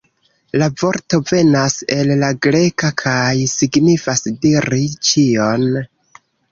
La vorto venas el la greka kaj signifas "diri ĉion".